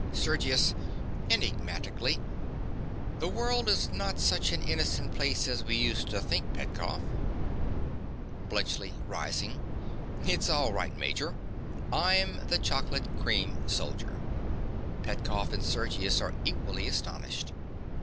SERGIUS. (enigmatically). The world is not such an innocent place as we used to think, Petkoff. BLUNTSCHLI. (rising). It's all right, Major. I'm the chocolate cream soldier. (_Petkoff and Sergius are equally astonished.